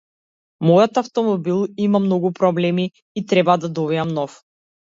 Мојот автомобил има многу проблеми и треба да добијам нов.